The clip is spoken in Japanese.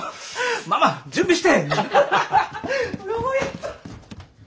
ママ準備して！